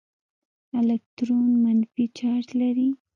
الکترون منفي چارج لري.